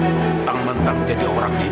tentang mentang jadi orang yang baik